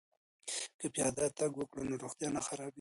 که پیاده تګ وکړو نو روغتیا نه خرابیږي.